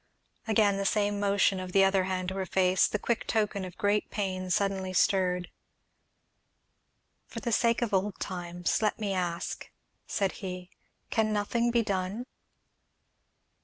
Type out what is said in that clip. Again the same motion of the other hand to her face, the quick token of great pain suddenly stirred. "For the sake of old times, let me ask," said he, "can nothing be done?"